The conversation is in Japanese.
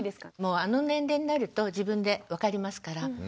あの年齢になると自分で分かりますから。